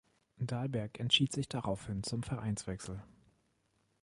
Dahlberg entschied sich daraufhin zum Vereinswechsel.